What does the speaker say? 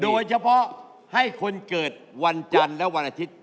โดยเฉพาะให้คนเกิดวันจันทร์และวันอาทิตย์